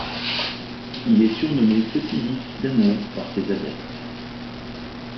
Il est surnommé Petit Lys d'Amour par ses adeptes.